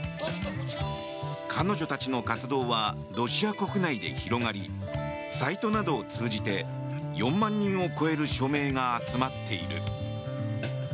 彼女たちの活動はロシア国内で広がりサイトなどを通じて４万人を超える署名が集まっている。